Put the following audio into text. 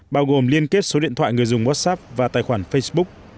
bao gồm liên kết số điện thoại người dùng wossap và tài khoản facebook